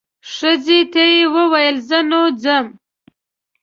ښځې ته یې وویل زه نو ځم.